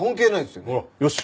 よし！